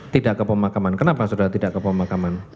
tidak ke pemakaman kenapa saudara tidak ke pemakaman